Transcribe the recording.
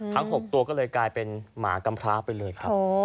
ทั้ง๖ตัวเลยกลายเป็นหมากำพลาไปเลยครับ